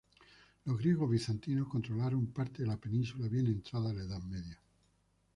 Los griegos bizantinos controlaron partes de la península bien entrada la Edad Media.